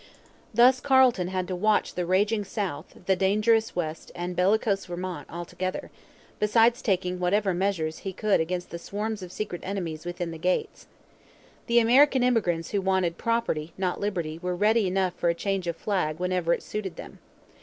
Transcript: Thus Carleton had to watch the raging South, the dangerous West, and bellicose Vermont, all together, besides taking whatever measures he could against the swarms of secret enemies within the gates. The American immigrants who wanted 'property not liberty' were ready enough for a change of flag whenever it suited them.